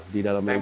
di dalam lego